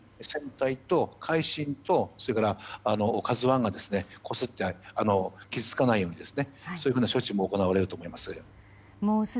「海進」と「ＫＡＺＵ１」がこすって傷つかないように、そういう処置も行われると思います。